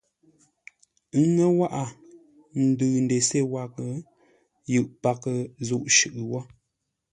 Ə́ ŋə́ wághʼə ndʉʉ ndesé waghʼə yʉʼ paghʼə zúʼ shʉʼʉ wó.